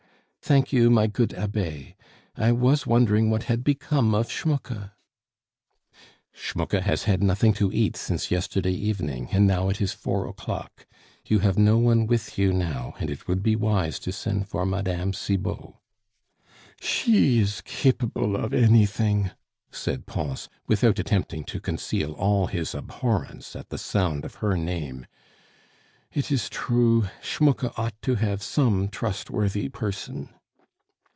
Thank you, my good Abbe; I was wondering what had become of Schmucke " "Schmucke has had nothing to eat since yesterday evening, and now it is four o'clock! You have no one with you now and it would be wise to send for Mme. Cibot." "She is capable of anything!" said Pons, without attempting to conceal all his abhorrence at the sound of her name. "It is true, Schmucke ought to have some trustworthy person."